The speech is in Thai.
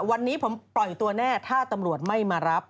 วันนี้ผมปล่อยตัวแน่ถ้าตำรวจไม่มารับ